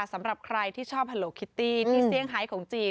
สำหรับใครที่ชอบฮัลโลคิตตี้ที่เซี่ยงไฮของจีน